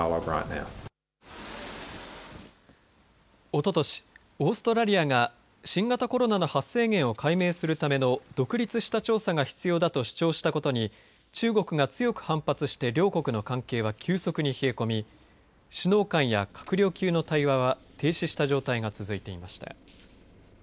おととし、オーストラリアが新型コロナの発生源を解明するための独立した調査が必要だと主張したことに中国が強く反発して両国の関係は急速に冷え込み首脳間や閣僚級の対話は停止した状態が続いていました。